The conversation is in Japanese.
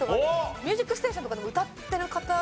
『ミュージックステーション』とかでも歌ってる方。